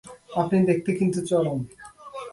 আপনি দেখতে কিন্তু চরম।